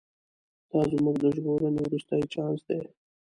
دا زموږ د ژغورنې وروستی چانس دی.